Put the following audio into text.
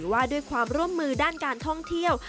ว่าด้วยความร่วมมือด้านการท่องเที่ยว